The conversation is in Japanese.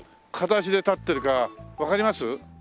片脚で立ってるかわかります？